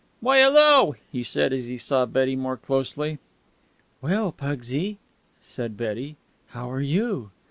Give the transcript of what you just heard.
"Why, hello!" he said, as he saw Betty more closely. "Well, Pugsy," said Betty. "How are you?"